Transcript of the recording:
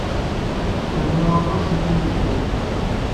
Trennu aṭas n yimedyaten.